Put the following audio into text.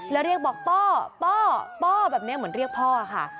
แล้วเรียกบอกป้อป้อป้อแบบนี้เหมือนเรียกพ่อค่ะ